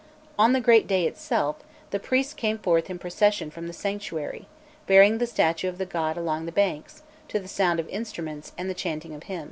On the great day itself, the priests came forth in procession from the sanctuary, bearing the statue of the god along the banks, to the sound of instruments and the chanting of hymns.